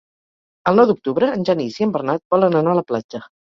El nou d'octubre en Genís i en Bernat volen anar a la platja.